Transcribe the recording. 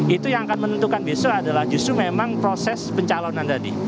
itu yang akan menentukan besok adalah justru memang proses pencalonan tadi